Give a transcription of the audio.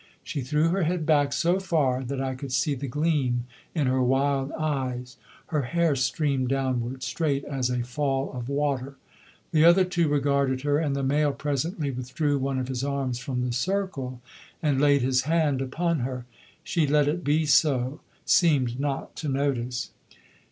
She threw her head back so far that I could see the gleam in her wild eyes; her hair streamed downward, straight as a fall of water. The other two regarded her, and the male presently withdrew one of his arms from the circle and laid his hand upon her. She let it be so; seemed not to notice.